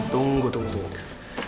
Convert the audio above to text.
tunggu tunggu tunggu